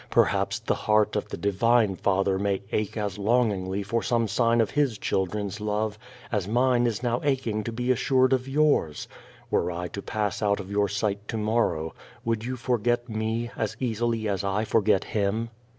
" Perhaps the heart of the Divine Father may ache as longingly for some sign of His children's love, as mine is now aching to be assured of yours. Were I to pass out of your sight to morrow, would you forget me as easily as I forget Him?"